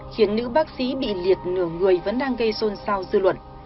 khiến nữ bác sĩ bị liệt nửa người vẫn đang gây xôn xao dư luận